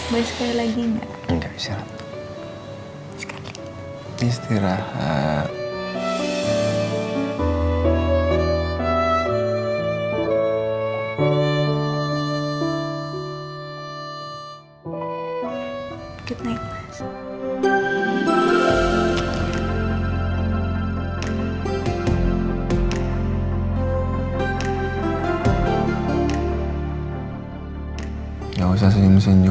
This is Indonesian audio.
boleh sekali lagi enggak